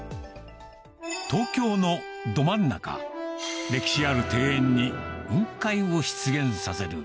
東京のど真ん中、歴史ある庭園に雲海を出現させる。